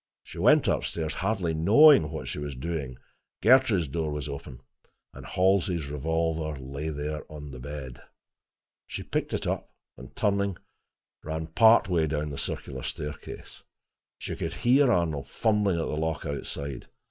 She went up stairs, hardly knowing what she was doing. Gertrude's door was open, and Halsey's revolver lay there on the bed. She picked it up and turning, ran part way down the circular staircase. She could hear Arnold fumbling at the lock outside.